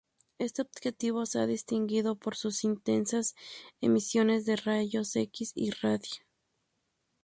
Este objeto se ha distinguido por sus intensas emisiones de rayos-X y radio.